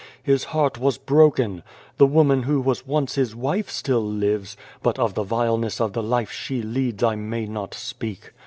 His heart was broken. The woman who was once his wife still lives, but of the vileness of the life she leads I may not speak.